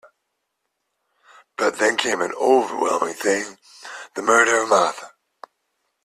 But then came an overwhelming thing — the murder of Marthe.